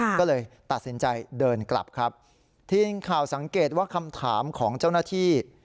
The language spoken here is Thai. ก็เลยตัดสินใจเดินกลับครับทีมข่าวสังเกตว่าคำถามของเจ้าหน้าที่